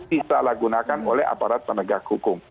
dislah digunakan oleh aparat penegak hukum